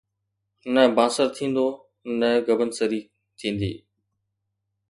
نه بانسر ٿيندو، نه گبنسري ٿيندي